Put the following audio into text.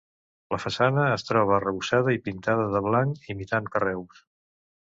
La façana es troba arrebossada i pintada de blanc, imitant carreus.